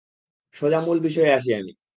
সোজা মূল বিষয়ে আসি আমি।